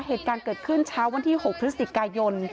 เหตุการณ์เกิดขึ้นเช้าวันที่๖พฤศจิกายน